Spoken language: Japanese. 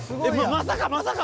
まさかまさか！